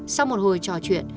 sau một hồi trò chuyện